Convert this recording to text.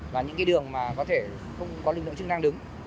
và những cái đường mà có thể không có lực lượng chức năng đứng